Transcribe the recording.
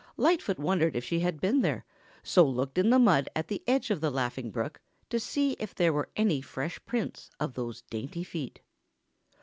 Lightfoot wondered if she had been there, so looked in the mud at the edge of the Laughing Brook to see if there were any fresh prints of those dainty feet.